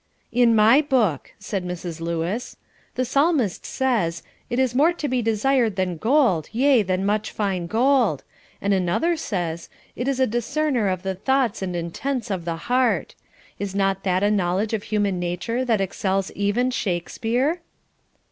"In my book," said Mrs. Lewis, "the Psalmist says, 'It is more to be desired than gold, yea, than much fine gold;' and another says, 'It is a discerner of the thoughts and intents of the heart.' Is not that a knowledge of human nature that excels even Shakespeare?"